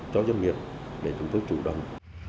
cho doanh nghiệp để chúng tôi chủ động